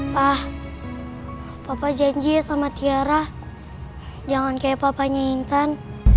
wah papa janji sama tiara jangan kayak papanya intan